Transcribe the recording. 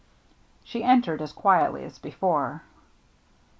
She entered as quietly as before.